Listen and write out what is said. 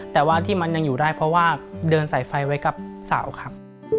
แต่ว่าที่มันยังอยู่ได้เพราะว่าเดินสายไฟไว้กับสาวครับ